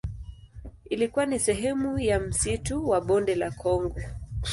Ilikuwa ni sehemu ya msitu wa Bonde la Kongo.